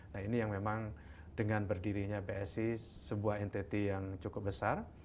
nah ini yang memang dengan berdirinya psi sebuah entity yang cukup besar